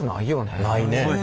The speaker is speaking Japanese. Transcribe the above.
ないね。